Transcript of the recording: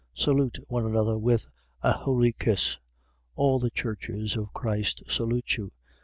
16:16. Salute one another with an holy kiss. All the churches of Christ salute you.